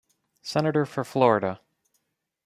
Senator for Florida.